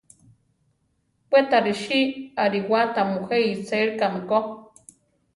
We ta risí ariwa tamujé isélikame ko.